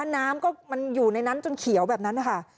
น้ำก็มันอยู่ในนั้นจนเขียวแบบนั้นนะคะ